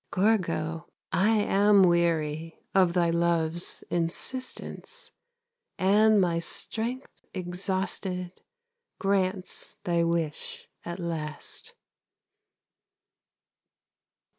Gorgo, I am weary Of thy love's insistence, And my strength exhausted Grants thy wish at last.